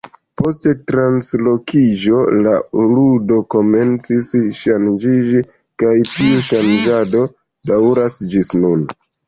Post translokiĝo la ludo komencis ŝanĝiĝi, kaj tiu ŝanĝado daŭras ĝis nun.